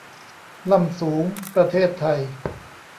ล่ำสูง ประเทศไทย